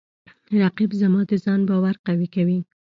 رقیب زما د ځان باور قوی کوي